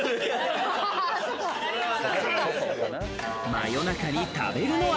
真夜中に食べるのは。